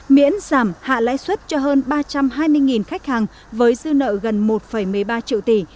miễn giảm hạ lãi suất cho hơn ba trăm hai mươi khách hàng với dư nợ gần một một mươi ba triệu tỷ